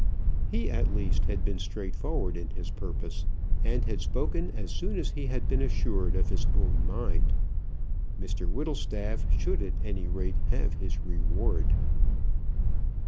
He at least had been straightforward in his purpose, and had spoken as soon as he had been assured of his own mind. Mr Whittlestaff should at any rate have his reward.